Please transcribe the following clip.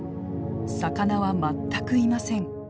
魚は全くいません。